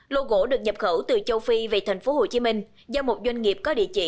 lô gỗ được nhập khẩu từ châu phi về tp hcm do một doanh nghiệp có địa chỉ